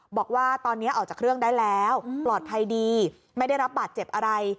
บอกว่าตอนนี้ออกจากเครื่องได้แล้วปลอดภัยดีไม่ได้รับบาดเจ็บอะไร